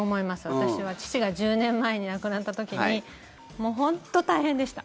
私は父が１０年前に亡くなった時に本当、大変でした。